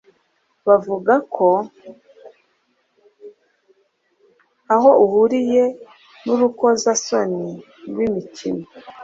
Bavuga ko aho ahuriye n'urukozasoni rw’imikino.